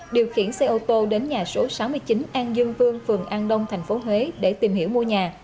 điều khiển xe ô tô đến nhà số sáu mươi chín an dương vương phường an đông tp huế để tìm hiểu mua nhà